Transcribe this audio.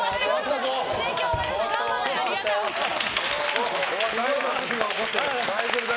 犬飼さんありがとうございます。